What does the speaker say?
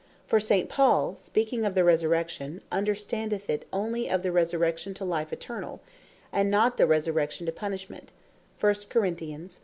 For St. Paul, speaking of the Resurrection (1 Cor. 15.) understandeth it onely of the Resurrection to Life Eternall; and not the Resurrection to Punishment.